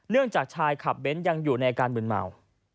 เนื่องจากชายขับเบนท์ยังอยู่ในเอการหมื่นเมา